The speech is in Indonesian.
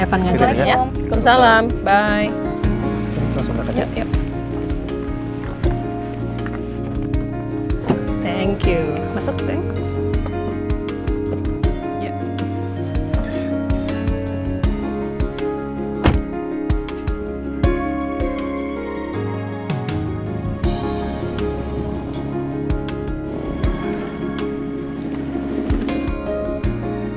aku kan asistennya papa mas